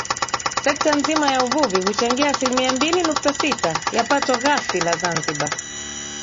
Sekta nzima ya uvuvi huchangia asilimia mbili nukta sita ya pato ghafi la Zanzibar